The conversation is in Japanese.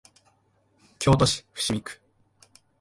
京都市伏見区